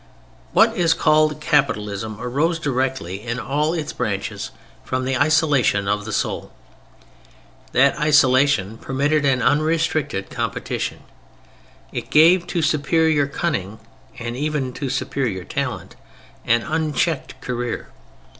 What is called "Capitalism" arose directly in all its branches from the isolation of the soul. That isolation permitted an unrestricted competition. It gave to superior cunning and even to superior talent an unchecked career.